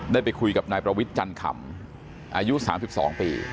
ได้ไปคุยกับนายประวิทย์จันขำอายุ๓๒ปี